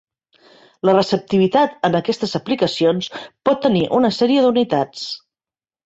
La receptivitat en aquestes aplicacions pot tenir una sèrie d'unitats.